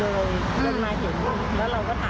เขาบอกเขากลับสองโทงเขาทำเสร็จอีกแล้ว